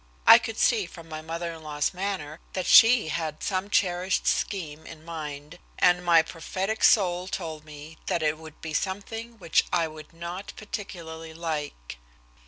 I could see from my mother in law's manner that she had some cherished scheme in mind, and my prophetic soul told me that it would be something which I would not particularly like.